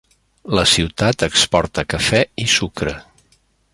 La ciutat exporta cafè i sucre.